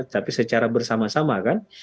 tapi secara bersama sama kan